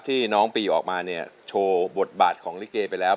ที่น้องปีออกมาเนี่ยโชว์บทบาทของลิเกไปแล้ว